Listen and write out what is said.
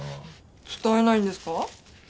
伝えないんですか？